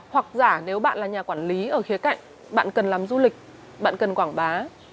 hoặc giả nếu bạn là nhà quản lý ở khía cạnh bạn cần làm du lịch bạn cần quảng bá